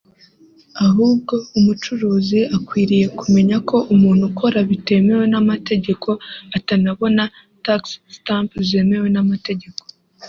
Ahubwo umucuruzi akwiriye kumenya ko umuntu ukora bitemewe n’amategeko atanabona tax stamp zemewe n’amategeko